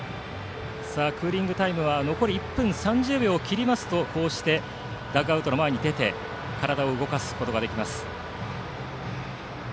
クーリングタイム残り１分３０秒を切るとこうしてダグアウトの前に出て体を動かすことができます。